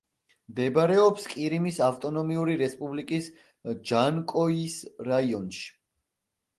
მდებარეობს ყირიმის ავტონომიური რესპუბლიკის ჯანკოის რაიონში.